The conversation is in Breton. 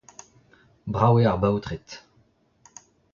Brav eo ar baotred